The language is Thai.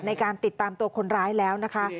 ในการติดตามตัวคนร้ายแล้วนะคะ